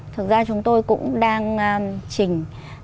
thực ra chúng tôi cũng đang trình